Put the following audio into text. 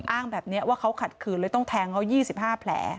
อ้างแบบนี้ว่าเขาขัดขืนเลยต้องแทงเขา๒๕แผล